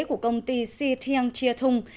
của công ty xitian chiatung